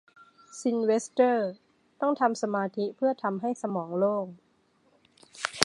ซิลเวสเตอร์ต้องทำสมาธิเพื่อทำให้สมองโล่ง